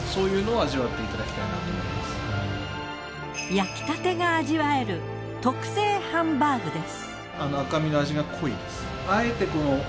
焼きたてが味わえる特製ハンバーグです。